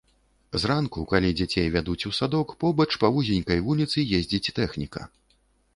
Зранку, калі дзяцей вядуць у садок, побач па вузенькай вуліцы ездзіць тэхніка.